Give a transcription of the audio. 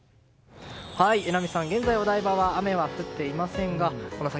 榎並さん、現在お台場は雨は降っていませんがこの先、